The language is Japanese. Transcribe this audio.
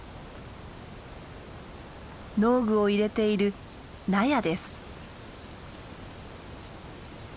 農具を入れている納屋です。